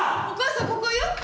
お母さんここよ！